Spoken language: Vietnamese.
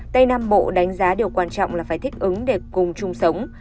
tây nam bộ đánh giá điều quan trọng là phải thích ứng để cùng chung sống